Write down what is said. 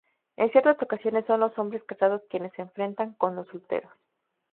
En ciertas ocasiones son los hombres casados quienes se enfrentan con los solteros.